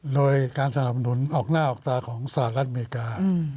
โดยการสนับสนุนออกหน้าออกตาของสหรัฐอเมริกา